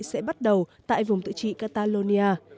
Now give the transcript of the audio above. sẽ bắt đầu tại vùng tự trị catalonia